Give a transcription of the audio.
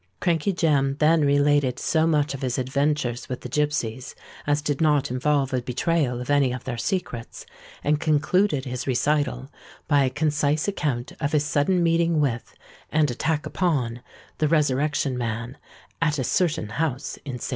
Crankey Jem then related so much of his adventures with the gipsies as did not involve a betrayal of any of their secrets, and concluded his recital by a concise account of his sudden meeting with, and attack upon, the Resurrection Man at a certain house in St. Giles's.